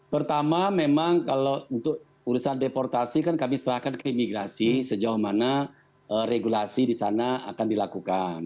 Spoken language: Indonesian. pertama memang kalau untuk urusan deportasi kan kami serahkan ke imigrasi sejauh mana regulasi di sana akan dilakukan